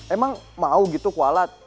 emang mau gitu kualat